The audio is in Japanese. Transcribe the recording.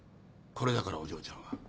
これだからお嬢ちゃんは。